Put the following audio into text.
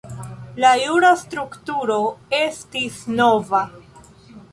La jura strukturo estis nova.